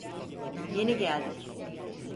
Yeni geldik.